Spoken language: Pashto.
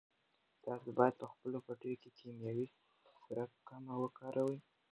تاسو باید په خپلو پټیو کې کیمیاوي سره کمه وکاروئ.